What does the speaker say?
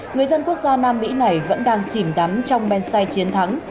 người dân quốc gia nam mỹ này vẫn đang chìm đắm trong men sai chiến thắng